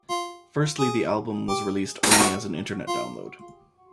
Firstly, the album was released only as an Internet download.